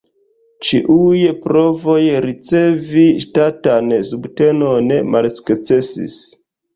Ĉiuj provoj ricevi ŝtatan subtenon malsukcesis.